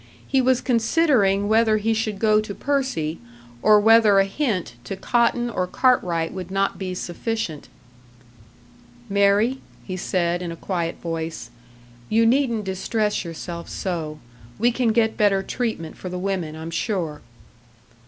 He was considering whether he should go to Percy, or whether a hint to Cotton or Cartwright would not be sufficient. "Mary," he said, in a quiet voice, "you needn't distress yourself so. We can get better treatment for the women, I'm sure."